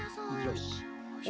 よし！